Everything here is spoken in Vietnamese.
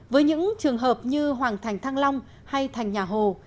với những trường hợp như hoàng thành thăng long hay thành nhà hồ